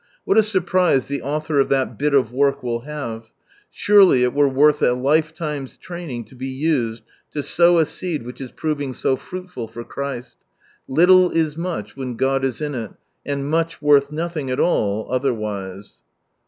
What a surprise the author of that bit of work will have I Surely it were worth a life time's training to be used to sow a seed which is proving so fruitful for Christ. "Little is much when God is in it," and niuth, worth nothing at all, otherwise.